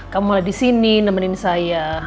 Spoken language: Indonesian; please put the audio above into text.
kamu malah disini nemenin saya